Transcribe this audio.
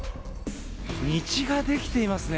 道が出来ていますね。